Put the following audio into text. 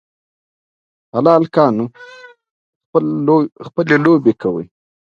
تر سپین بدن یې آئینې راوځي